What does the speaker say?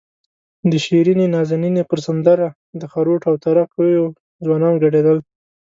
د شیرینې نازنینې پر سندره د خروټو او تره کیو ځوانان ګډېدل.